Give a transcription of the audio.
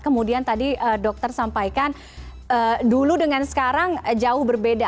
kemudian tadi dokter sampaikan dulu dengan sekarang jauh berbeda